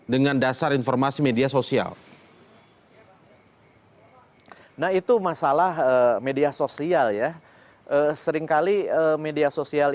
dengan dasar informasi media sosial hai nah itu masalah media sosial ya seringkali media sosial